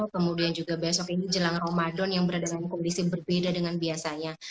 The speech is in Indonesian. kemudian juga besok ini jelang ramadan yang berada dalam kondisi berbeda dengan biasanya